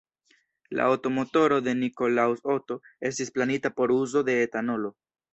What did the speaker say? La Otto-motoro de Nikolaus Otto estis planita por uzo de etanolo.